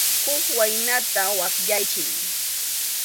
Huk waynata waqyaychik.